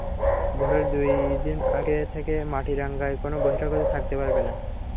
ভোটের দুই দিন আগে থেকে মাটিরাঙ্গায় কোনো বহিরাগত থাকতে পারবে না।